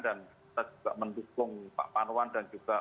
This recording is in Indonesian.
dan saya juga mendukung pak panwan dan juga